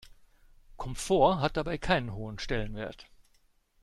Komfort hat dabei keinen hohen Stellenwert.